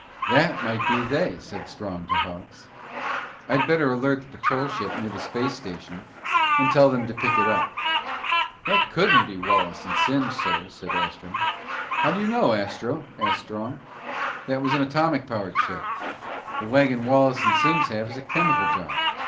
"That might be they," said Strong to Hawks. "I'd better alert the patrol ship near the space station and tell them to pick them up." "That couldn't be Wallace and Simms, sir," said Astro. "How do you know, Astro?" asked Strong. "That was an atomic powered ship. The wagon Wallace and Simms have is a chemical job.